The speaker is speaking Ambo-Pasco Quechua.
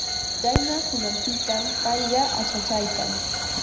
Qayna hunanpitam payqa achachaykan.